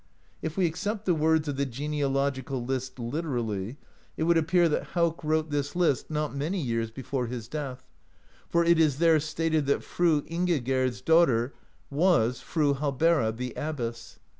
If we accept the words of the genea logical list literally, it would appear that Hauk wrote this 20 THE CODEX OF H AUK'S BOOK list not many years before his death, for it is there stated that Fru Ingigerd's daughter zm/' Fru Hallbera, the Abbess.